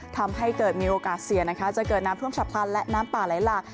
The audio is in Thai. ทำให้เกิดมีโอกาสเสี่ยงนะคะจะเกิดน้ำท่วมฉับพลันและน้ำป่าไหลหลาก